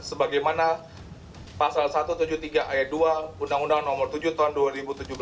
sebagaimana pasal satu ratus tujuh puluh tiga ayat dua undang undang nomor tujuh tahun dua ribu tujuh belas